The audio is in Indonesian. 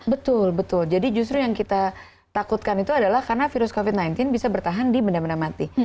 betul betul jadi justru yang kita takutkan itu adalah karena virus covid sembilan belas bisa bertahan di benda benda mati